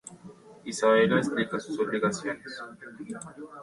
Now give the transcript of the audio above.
Isabella explica sus obligaciones.